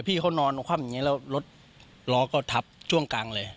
พี่เขานอนคว่ำอย่างนี้แล้วรถล้อก็ทับช่วงกลางเลย